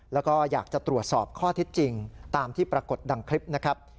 แล้วก็อยากจะตรวจสอบข้อเท็จจริงตามที่ปรากฏดังคลิปนะครับ